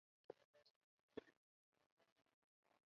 维港投资主要管理人员包括周凯旋和张培薇。